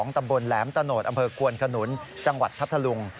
ตำบลแหลมตะโนธอำเภอควนขนุนจังหวัดพัทธลุง